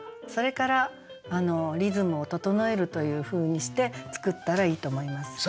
それからリズムを整えるというふうにして作ったらいいと思います。